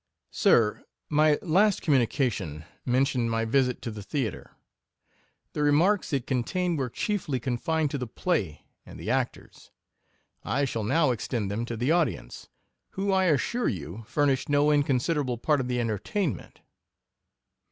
Sir, My last communication mentioned my visit to the theatre ; the remarks it contained were chiefly confined to the play and the ac tors; I shall now extend them to the audience, who, I assure you, furnish no inconsiderable part of the entertainment.